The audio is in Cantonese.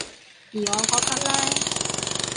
而我覺得呢